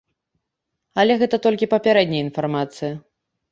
Але гэта толькі папярэдняя інфармацыя.